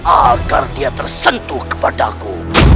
agar dia tersentuh kepadaku